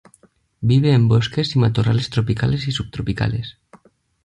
Vive en bosques y matorrales tropicales y subtropicales.